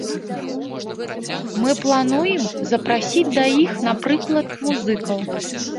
Мы плануем запрасіць да іх, напрыклад, музыкаў.